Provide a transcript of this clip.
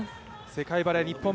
世界バレー日本